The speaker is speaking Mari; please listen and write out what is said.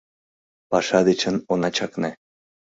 Паша дечын она чакне